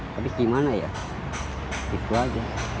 tapi bagaimana ya itu saja